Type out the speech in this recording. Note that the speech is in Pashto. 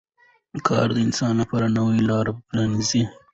کار د انسان لپاره نوې لارې پرانیزي